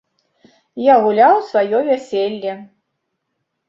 Я гуляў сваё вяселле.